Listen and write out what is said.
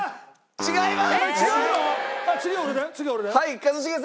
違います。